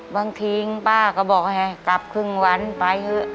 บางทีป้าก็บอกให้กลับครึ่งวันไปเถอะ